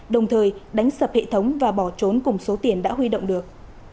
đồng thời đánh sập hệ thống và bỏ trốn cùng số tiền đã huy động được